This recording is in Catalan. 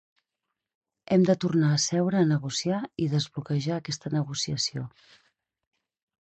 Hem de tornar a seure a negociar i desbloquejar aquesta negociació.